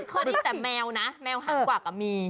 เค้าได้ยินแต่แมวนะแมวหางกวักอะมี